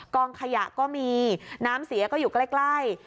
กองขยะก็มีน้ำเสียก็อยู่ใกล้